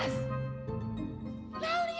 minta ampun bu merry